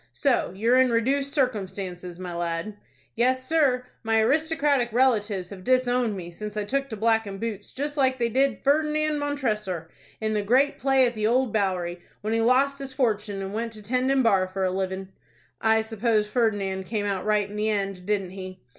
So you're in reduced circumstances, my lad?" "Yes, sir; my aristocratic relatives have disowned me since I took to blackin' boots, just like they did Ferdinand Montressor, in the great play at the Old Bowery, when he lost his fortun' and went to tending bar for a livin'." "I suppose Ferdinand came out right in the end, didn't he?"